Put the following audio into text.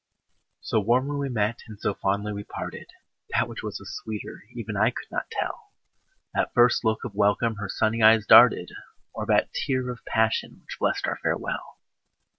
So warmly we met and so fondly we parted, That which was the sweeter even I could not tell, That first look of welcome her sunny eyes darted, Or that tear of passion, which blest our farewell.